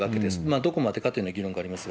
どこまでかというのは議論がありますが。